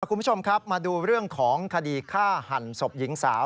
คุณผู้ชมครับมาดูเรื่องของคดีฆ่าหันศพหญิงสาว